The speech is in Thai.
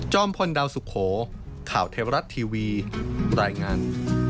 พลดาวสุโขข่าวเทวรัฐทีวีรายงาน